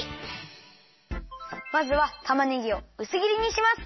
まずはたまねぎをうすぎりにします。